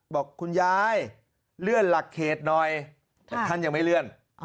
บอกคุณยายเลื่อนหลักเขตหน่อยแต่ท่านยังไม่เลื่อน